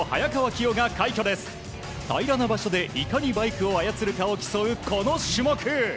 平らな場所でいかにバイクを操るかを競うこの種目。